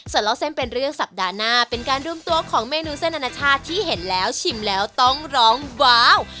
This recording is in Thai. ส่วนเล่าเส้นเป็นเรื่องสัปดาห์หน้าเป็นการรวมตัวของเมนูเส้นอนาชาติที่เห็นแล้วชิมแล้วต้องร้องว้าว